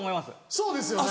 そうですよね。